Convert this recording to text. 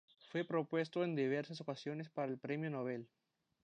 Fue propuesto en diversas ocasiones para el Premio Nobel.